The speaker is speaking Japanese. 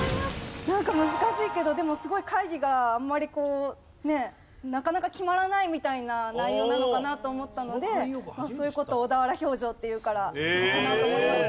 なんか難しいけどでもすごい会議があんまりこうねっなかなか決まらないみたいな内容なのかなと思ったのでそういう事を小田原評定って言うからそれかなと思いました。